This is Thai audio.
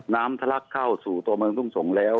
ทะลักเข้าสู่ตัวเมืองทุ่งสงศ์แล้ว